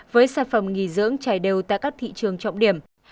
với sản phẩm nghỉ dưỡng chảy đều tại các thị trường trọng điểm